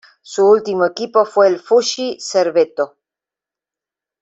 Su último equipo fue el Fuji-Servetto.